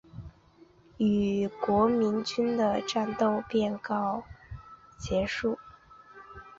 与国民军的战斗便告结束。